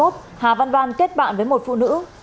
tết bạn với một phụ nữ